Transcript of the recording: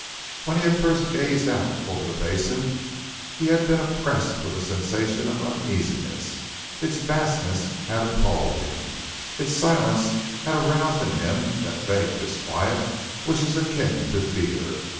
When he had first gazed out over the basin he had been oppressed with a sensation of uneasiness. Its vastness had appalled him, its silence had aroused in him that vague disquiet which is akin to fear.